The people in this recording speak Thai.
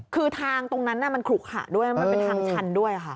คือทางตรงนั้นมันขลุขะด้วยมันเป็นทางชันด้วยค่ะ